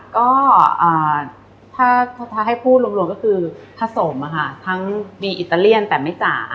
ก็ถ้าให้พูดรวมก็คือผสมทั้งมีอิตาเลียนแต่ไม่จ่า